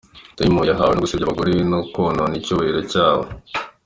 Taymour yahamwe no gusebya abagore no konona icyubahiro cyabo.